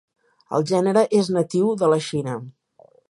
El gènere és natiu de la Xina.